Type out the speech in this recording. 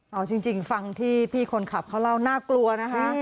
เอาจริงฟังที่พี่คนขับเขาเล่าน่ากลัวนะคะ